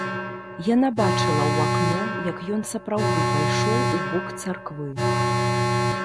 Яна бачыла ў акно, як ён сапраўды пайшоў у бок царквы.